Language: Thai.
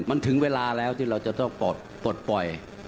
มันถึงเวลาแล้วที่เราจะต้องปลดปล่อย